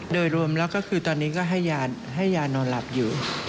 โดยรวมแล้วก็คือตอนนี้ก็ให้ยานอนหลับอยู่